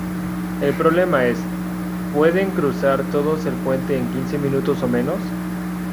El problema es: ¿Pueden cruzar todos el puente en quince minutos o menos?.